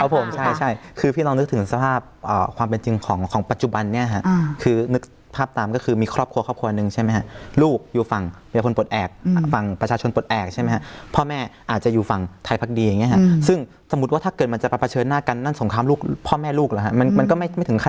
ครับผมใช่คือพี่ลองนึกถึงสภาพความเป็นจริงของปัจจุบันนี้คือนึกภาพตามก็คือมีครอบครัวครอบครัวหนึ่งใช่ไหมครับลูกอยู่ฝั่งเวลาคนปลดแอบฝั่งประชาชนปลดแอบใช่ไหมครับพ่อแม่อาจจะอยู่ฝั่งไทยพักดีอย่างนี้ครับซึ่งสมมุติว่าถ้าเกิดมันจะประเภทหน้ากันนั่นสงครามพ่อแม่ลูกหรอครับมันก